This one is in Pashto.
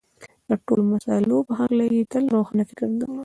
د ټولو مسألو په هکله یې تل روښانه فکر درلود